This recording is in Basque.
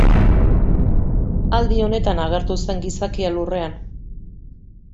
Aldi honetan agertu zen gizakia Lurrean.